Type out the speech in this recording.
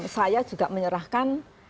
saya juga menyerahkan